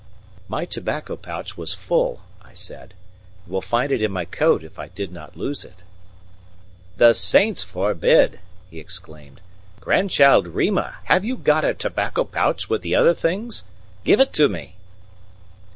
"My tobacco pouch was full," I said. "You will find it in my coat, if I did not lose it." "The saints forbid!" he exclaimed. "Grandchild Rima, have you got a tobacco pouch with the other things? Give it to me."